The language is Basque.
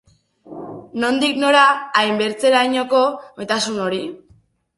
Nondik nora hainbertzerainoko maitasun hori?